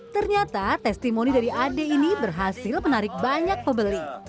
ternyata testimoni dari ade ini berhasil menarik banyak pembeli